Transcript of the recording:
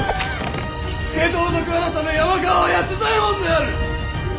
火付盗賊改山川安左衛門である！